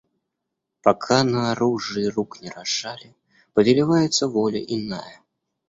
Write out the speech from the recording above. Пока на оружии рук не разжали, повелевается воля иная.